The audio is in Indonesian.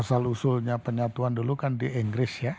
asal usulnya penyatuan dulu kan di inggris ya